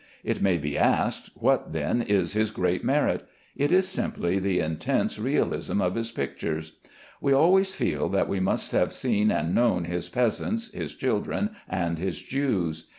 It may be asked, What, then, is his great merit? It is simply the intense realism of his figures. We always feel that we must have seen and known his peasants, his children, and his Jews.